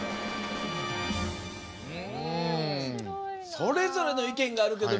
それぞれの意見があるけど。